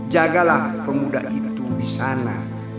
jagalah pemuda itu di sana